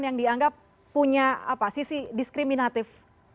yang dianggap punya sisi diskriminatif